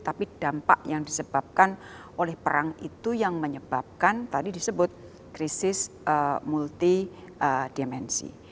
tapi dampak yang disebabkan oleh perang itu yang menyebabkan tadi disebut krisis multi dimensi